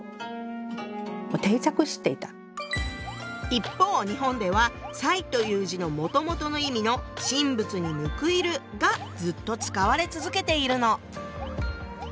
一方日本では「賽」という字のもともとの意味の「神仏にむくいる」がずっと使われ続けているの。